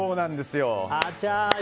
あちゃー。